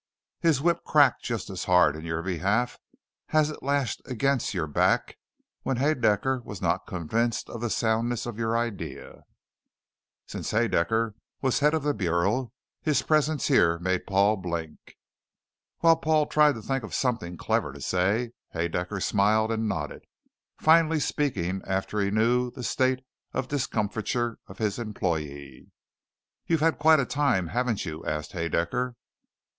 His whip cracked just as hard in your behalf as it lashed against your back when Haedaecker was not convinced of the soundness of your idea. Since Haedaecker was head of the Bureau, his presence here made Paul blink. While Paul tried to think of something clever to say, Haedaecker smiled and nodded, finally speaking after he knew the state of discomfiture of his employee. "You've had quite a time, haven't you?" asked Haedaecker.